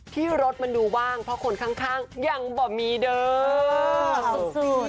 ที่รถมันดูว่างเพราะคนข้างยังบ่มีเด้อสุด